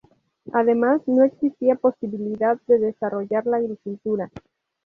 Además, no existía posibilidad de desarrollar la agricultura.